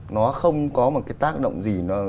nó không có một cái tác động gì